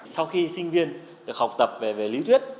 sau khi sinh viên được học tập về lý thuyết